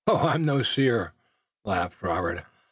"I'm no seer," laughed Robert.